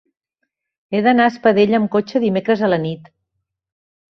He d'anar a Espadella amb cotxe dimecres a la nit.